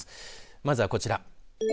まずはこちら。